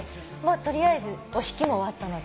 取りあえずお式も終わったので。